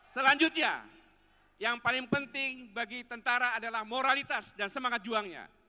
selanjutnya yang paling penting bagi tentara adalah moralitas dan semangat juangnya